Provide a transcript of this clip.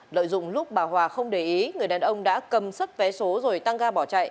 lợi dụng lúc bà hòa không để ý người đàn ông đã cầm xuất vé số rồi tăng ga bỏ chạy